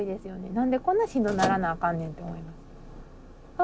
何でこんなしんどならなあかんねんって思います。